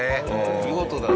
見事だね。